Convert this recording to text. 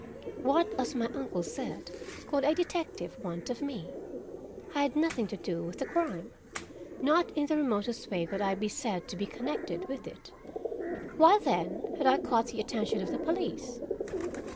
What, as my uncle said, could a detective want of me? I had nothing to do with the crime; not in the remotest way could I be said to be connected with it; why, then, had I caught the attention of the police?